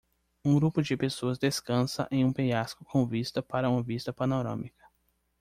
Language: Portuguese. Um grupo de pessoas descansa em um penhasco com vista para uma vista panorâmica.